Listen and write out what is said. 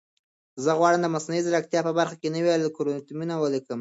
زه غواړم د مصنوعي ځیرکتیا په برخه کې نوي الګوریتمونه ولیکم.